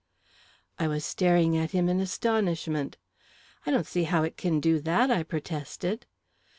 I was staring at him in astonishment. "I don't see how it can do that!" I protested.